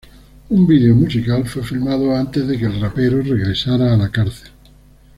Un vídeo musical fue filmado antes de que el rapero regresara a la cárcel.